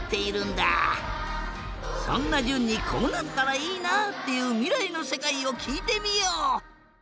そんなじゅんにこうなったらいいなっていうみらいのせかいをきいてみよう。